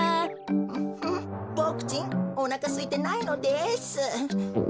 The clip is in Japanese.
うボクちんおなかすいてないのです。